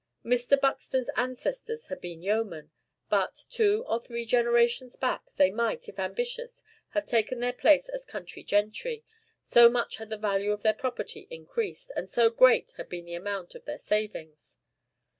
Mr. Buxton's ancestors had been yeomen; but, two or three generations back, they might, if ambitious, have taken their place as country gentry, so much had the value of their property increased, and so great had been the amount of their savings.